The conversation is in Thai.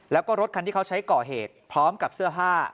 แล้วก็รถคันที่เขาใช้ก่อเหตุพร้อมกับเสื้อผ้า